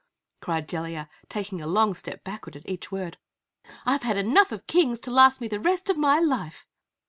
cried Jellia, taking a long step backward at each word. "I've had enough of Kings to last me the rest of my life!"